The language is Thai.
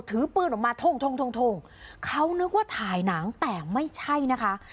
ถือปืนออกมาท่งเขานึกว่าถ่ายหนังแต่ไม่ใช่นะคะ